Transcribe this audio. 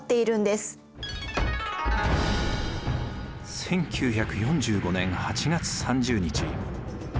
１９４５年８月３０日。